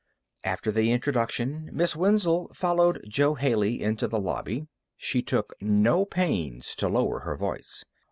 After the introduction Miss Wenzel followed Jo Haley into the lobby. She took no pains to lower her voice.